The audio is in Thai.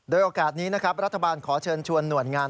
โดยโอกาสนี้นะครับรัฐบาลขอเชิญชวนหน่วยงาน